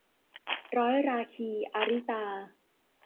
ร้อยราคี - อาริตา